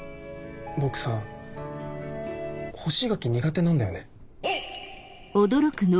僕さ干し柿苦手なんだよね。